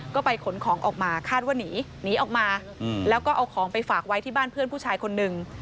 ก็ไปขนของออกมาคาดว่าหนีหนีออกมาแล้วก็เอาของไปฝากไว้ที่บ้านเพื่อนผู้ชายคนหนึ่ง